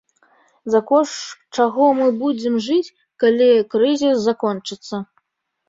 За кошт чаго мы будзем жыць, калі крызіс закончыцца?